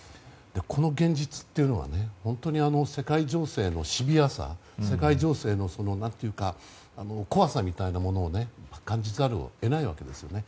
この現実というのは本当に世界情勢のシビアさ世界情勢の、何というか怖さみたいなものを感じざるを得ないわけですよね。